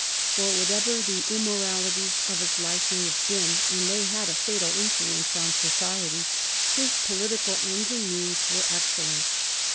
For whatever the immoralities of his life may have been — and they had a fatal influence on society — his political ends and means were excellent.